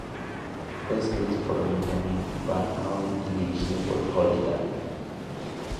Fue escrito por Benjamin Van Allen y dirigido por Holly Dale.